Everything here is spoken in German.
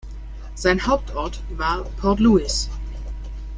Sein Hauptort war Port-Louis.